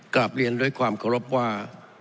กลับเรียนด้วยความเคารพว่า